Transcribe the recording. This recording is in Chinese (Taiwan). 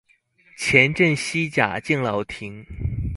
前鎮西甲敬老亭